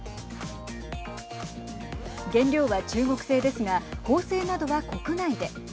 原料は中国製ですが縫製などは国内で。